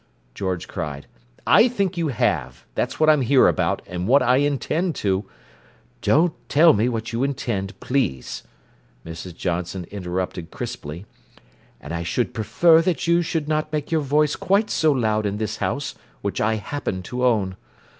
George cried. "I think you may have! That's what I'm here about, and what I intend to—" "Don't tell me what you intend, please," Mrs. Johnson interrupted crisply. "And I should prefer that you would not make your voice quite so loud in this house, which I happen to own.